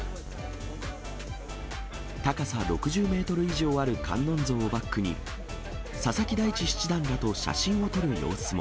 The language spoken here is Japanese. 高さ６０メートル以上ある観音像をバックに、佐々木大地七段らと写真を撮る様子も。